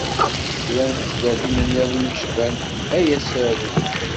Kra n tezlatin-nniḍen yecban "Ay asaru."